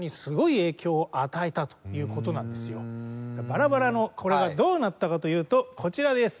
バラバラのこれがどうなったかというとこちらです。